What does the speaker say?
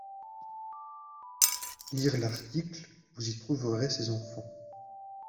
Lire l'article, vous y trouverez ses enfants.